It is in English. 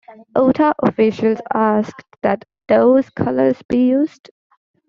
Utah officials asked that those colors be used.